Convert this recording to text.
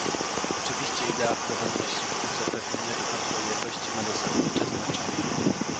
Oczywiście idea wprowadzenia środków zapewniania i kontroli jakości ma zasadnicze znaczenie